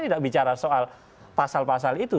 tidak bicara soal pasal pasal itu